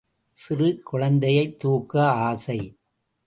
சிறு குழந்தையைத் தூக்க ஆசை.